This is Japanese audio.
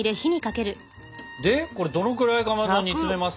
でこれどのぐらいかまど煮詰めますか？